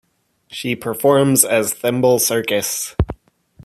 She performs as Thimble Circus.